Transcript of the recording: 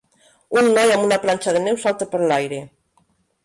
Un noi amb una planxa de neu salta per l'aire.